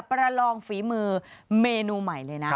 ประลองฝีมือเมนูใหม่